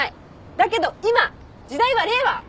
だけど今時代は令和！